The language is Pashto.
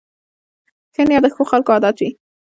ښه نیت د ښو خلکو عادت وي.